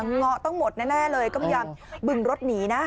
ง้อต้องหมดแน่เลยก็ไม่อยากบึงรถหนีนะ